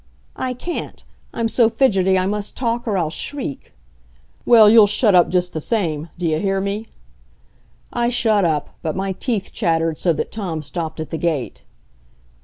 "I can't. I'm so fidgety I must talk or I'll shriek." "Well, you'll shut up just the same. Do you hear me?" I shut up, but my teeth chattered so that Tom stopped at the gate.